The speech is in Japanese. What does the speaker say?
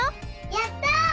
やった！